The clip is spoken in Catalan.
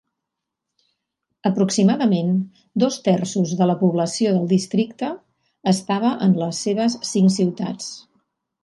Aproximadament dos terços de la població del districte estava en les seves cinc ciutats.